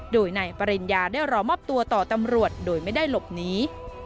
โดยนายปริญญาได้รอมอบตัวต่อตำรวจโดยไม่ได้หลบหนี